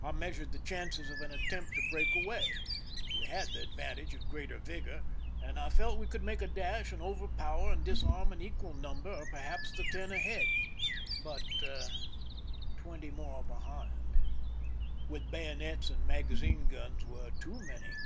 I measured the chances of an attempt to break away. We had the advantage of greater vigor, and I felt we could make a dash and overpower and disarm an equal number, or perhaps the ten ahead; but twenty more behind, 212 PEISON LIFE THE SIEGE with bayonets and magazine guns, were too many.